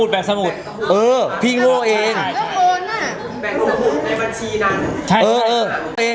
แบ่งสมุทรในบัญชีนั้น